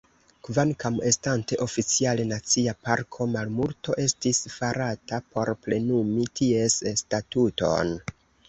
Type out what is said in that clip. Kvankam estante oficiale nacia parko, malmulto estis farata por plenumi ties statuton.